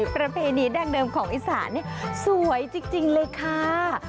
ประเพณีดั้งเดิมของอีสานนี่สวยจริงเลยค่ะ